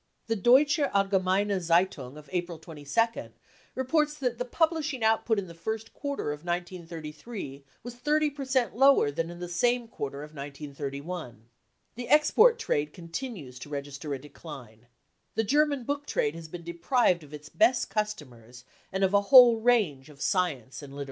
The Deutsche Allgemeine Z/eitung of April 22 nd reports that the publishing output in the first quarter of I 933 was 3 ° P er cent lower than in the same quarter of I 93 I * The export trade continues to register a decline. The German book trade has been deprived of its best customers and of a whole range of science and literamre."